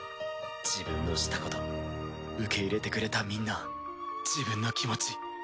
自分のしたこと受け入れてくれたみんな自分の気持ち。